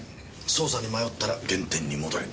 捜査に迷ったら原点に戻れ。